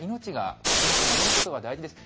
命を守ることが大事です。